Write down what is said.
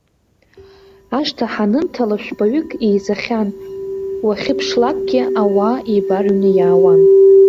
Ашҭа ҳанынҭала, жәпаҩык еизахьан, уахьыԥшлакгьы ауаа еибарыҩны иаауан.